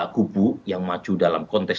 tiga gubu yang maju dalam konteks